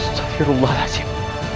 sampai rumah hasil